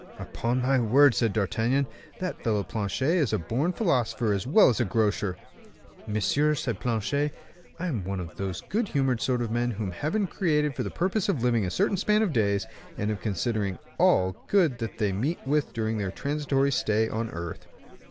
"Upon my word," said D'Artagnan, "that fellow Planchet is born a philosopher as well as a grocer." "Monsieur," said Planchet, "I am one of those good humored sort of men whom Heaven created for the purpose of living a certain span of days, and of considering all good they meet with during their transitory stay on earth."